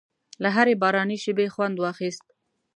له هرې باراني شېبې خوند واخیست.